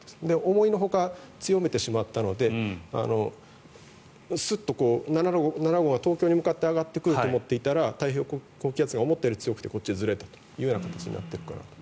思いのほか強めてしまったのでスッと７号が東京に向かって上がってくると思ったら太平洋高気圧が思ったより強くってこっちにずれた形になったかなと。